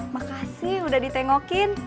makasih udah vo sensible ini